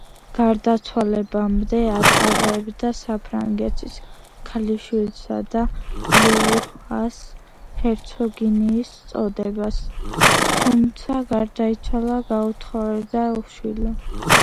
გარდაცვალებამდე ატარებდა საფრანგეთის ქალიშვილისა და ლუვუას ჰერცოგინიის წოდებას, თუმცა გარდაიცვალა გაუთხოვარი და უშვილო.